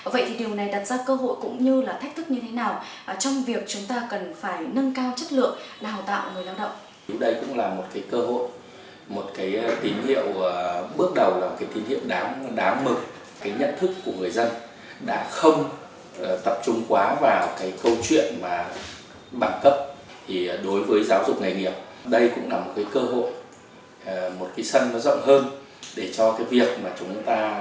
vậy thì điều này đặt ra cơ hội cũng như là thách thức như thế nào trong việc chúng ta cần phải nâng cao chất lượng đào tạo người lao động